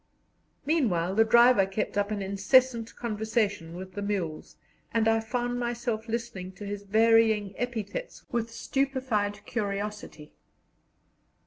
Meanwhile the driver kept up an incessant conversation with the mules, and I found myself listening to his varying epithets with stupefied curiosity.